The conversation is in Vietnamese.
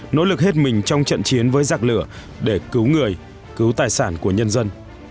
nỗ lực hết mình trong trận chiến với giặc lửa để cứu người cứu tài sản của nhân dân